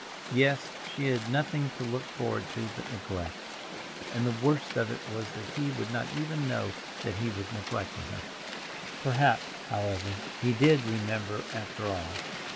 Yes, she had nothing to look forward to but neglect—and the worst of it was that he would not even know that he was neglecting her. Perhaps, however, he did remember after all.